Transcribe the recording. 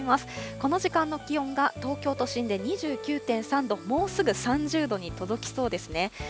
この時間の気温が東京都心で２９．３度、もうすぐ３０度に届きそうですね。